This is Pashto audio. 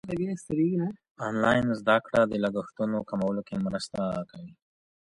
ايا انلاين زده کړه د لګښتونو کمولو کي مرسته کوي؟